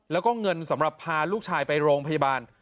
แล้วก็เงินสำหรับพาลูกชายไปโรงพยาบาล